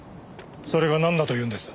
それがなんだというんです？